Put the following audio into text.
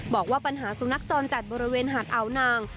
บอกว่าปัญหาสุนัขจรจัดบริเวณหาดอาวนาง